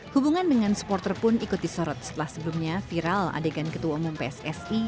hubungan dengan supporter pun ikut disorot setelah sebelumnya viral adegan ketua umum pssi